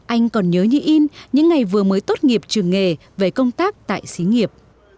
anh còn nhớ như yên những ngày vừa mới tốt nghiệp trường nghề về công tác tại xí nghiệp